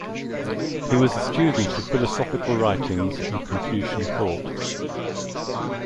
He was a student of philosophical writings and confucian thought.